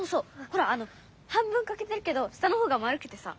ほら半分かけてるけど下のほうが丸くてさ。